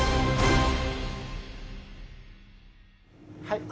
はい。